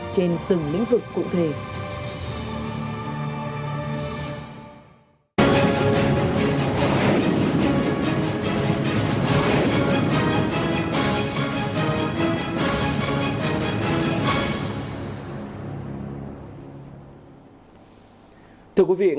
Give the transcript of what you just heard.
trên từng lĩnh vực cụ thể